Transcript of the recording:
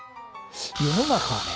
世の中はね